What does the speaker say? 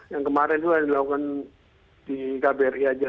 yang kemarin itu dilakukan di kbri saja